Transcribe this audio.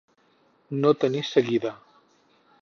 No tenir seguida.